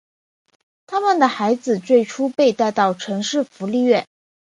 他们的孩子最初被带到城市福利院。